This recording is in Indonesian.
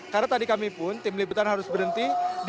karena tadi kami pun tim liputan harus berhenti